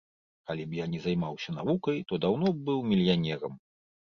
Калі б я не займаўся навукай, то даўно б быў мільянерам.